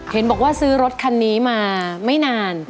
เห็นบอกว่าซื้อรถคันนี้มาไม่นาน